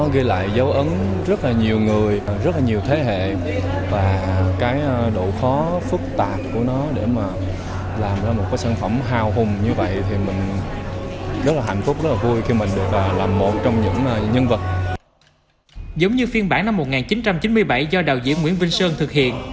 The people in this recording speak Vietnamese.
giống như phiên bản năm một nghìn chín trăm chín mươi bảy do đạo diễn nguyễn vinh sơn thực hiện